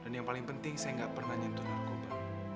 dan yang paling penting saya nggak pernah nyentuh narkoba